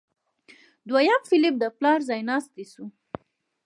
دویم فلیپ د پلار ځایناستی شو.